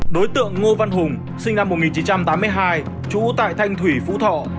đối tượng ngô văn hùng sinh năm một nghìn chín trăm tám mươi hai trú tại thanh thủy phú thọ